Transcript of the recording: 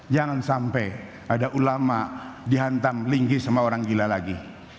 jangan sampai ada ulama dihantam linggih sama orang gila lagi